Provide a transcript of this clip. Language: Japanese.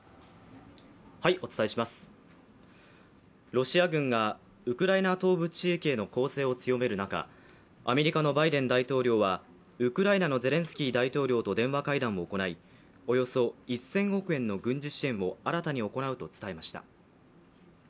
ロシア軍がウクライナ東部地域への攻勢を強める中、アメリカのバイデン大統領はウクライナのゼレンスキー大統領と電話会談を行い、およそ１０００億円の軍事支援を新たに行うと伝えました。